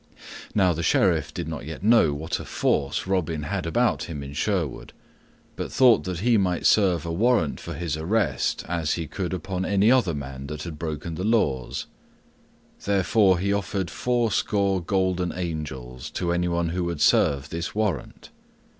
Now the Sheriff did not yet know what a force Robin had about him in Sherwood, but thought that he might serve a warrant for his arrest as he could upon any other man that had broken the laws; therefore he offered fourscore golden angels to anyone who would serve this warrant.